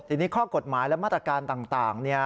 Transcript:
ทีนี้ข้อกฎหมายและมาตรการต่าง